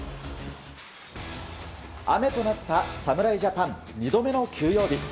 雨となった、侍ジャパン２度目の休養日。